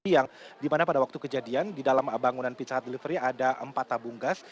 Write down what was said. yang dimana pada waktu kejadian di dalam bangunan pizza hut delivery ada empat tabung gas